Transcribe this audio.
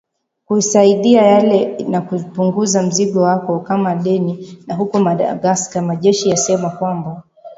kusaidia yale na kupunguza mzigo wako kama deni na huko madagascar majeshi yasema kwamba